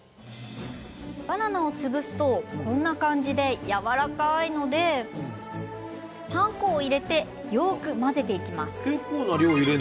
バナナを潰すとこんな感じでやわらかいのでパン粉を入れてよく混ぜていきます。